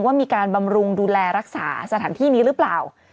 ว่ามีการบำรุงดูแลรักษาสถานที่นี้หรือเปล่า